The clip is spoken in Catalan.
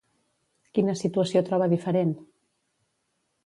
Quina situació troba diferent?